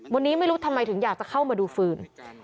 วันนี้ไม่รู้ทำไมถึงอยากจะเข้ามาดูฟืน